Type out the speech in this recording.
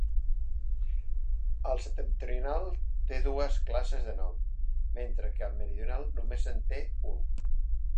El septentrional té dues classes de nom, mentre que el meridional només en té un.